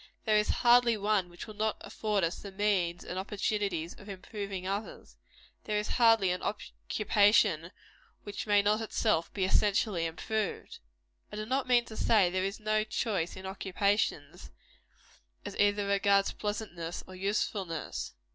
There is hardly one which will not afford us the means and opportunities of improving others. There is hardly an occupation which may not itself be essentially improved. I do not mean to say there is no choice in occupations, either as regards pleasantness or usefulness.